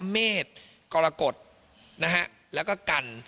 เมฆกรกฎและกัญ